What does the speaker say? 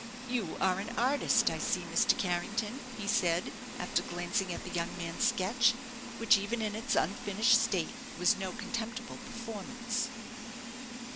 "You are an artist, I see, Mr. Carrington," he said, after glancing at the young man's sketch, which, even in its unfinished state, was no contemptible performance.